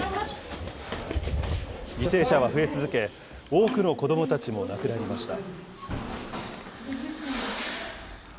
犠牲者は増え続け、多くの子どもたちも亡くなりました。